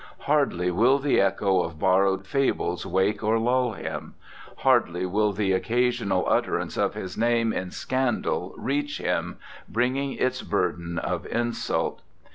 Hardly will the echo of bor rowed fables wake or lull him. Hardly will the occasional utterance of his name in scandal reach him, bringing its burden of insult.